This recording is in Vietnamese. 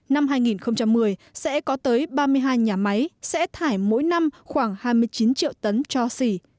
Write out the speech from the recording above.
năm hai nghìn một mươi sẽ có tới ba mươi hai nhà máy sẽ thải mỗi năm khoảng hai mươi chín triệu tấn cho xỉ